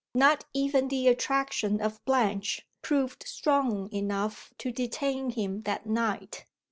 Not even the attraction of Blanche proved strong enough to detain him that night.